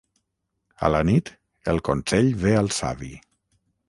A la nit, el consell ve al savi.